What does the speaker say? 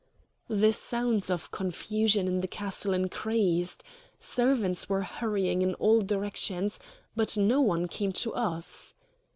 The sounds of confusion in the castle increased. Servants were hurrying in all directions; but no one came to us.